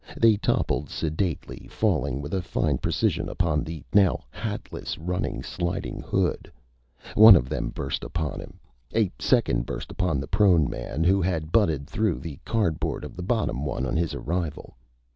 They toppled sedately, falling with a fine precision upon the now hatless, running, sliding hood. One of them burst upon him. A second burst upon the prone man who had butted through the cardboard of the bottom one on his arrival.